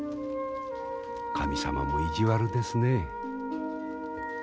神様も意地悪ですね。